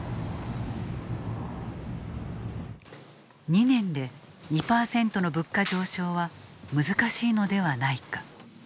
２年で２％の物価上昇は難しいのではないか。